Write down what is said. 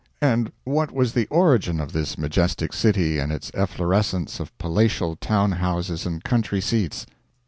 And what was the origin of this majestic city and its efflorescence of palatial town houses and country seats?